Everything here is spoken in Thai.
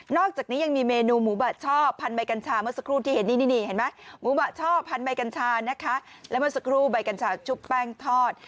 นอกจากนี้ยังมีเมนูหมูบะชอบพันธุ์ใบกัญชามันสกรูที่เห็นนี่มันสกรูใบกัญชาชุบแป้งทอด